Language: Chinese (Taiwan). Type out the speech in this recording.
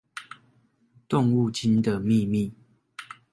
動物精的祕密